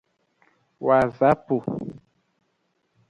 Wazapu.